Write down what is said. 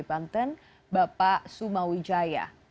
banten bapak sumawijaya